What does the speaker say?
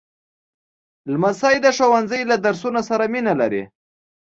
لمسی د ښوونځي له درسونو سره مینه لري.